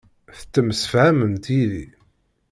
Tettemsefhamemt yid-i.